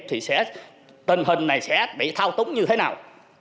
thì tình hình này sẽ bị thao túng như thế nào